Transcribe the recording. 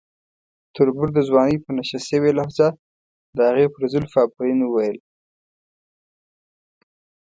تربور د ځوانۍ په نشه شوې لهجه د هغې پر زلفو افرین وویل.